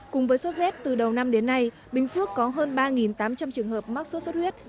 cùng với sốt z từ đầu năm đến nay bình phước có hơn ba tám trăm linh trường hợp mắc sốt xuất huyết